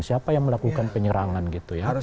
siapa yang melakukan penyerangan gitu ya